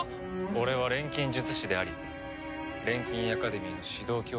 俺は錬金術師であり錬金アカデミーの指導教員だ。